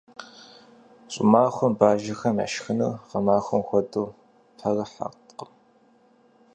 ЩӀымахуэм бажэхэм я шхыныр гъэмахуэм хуэдэу пэрыхьэткъым.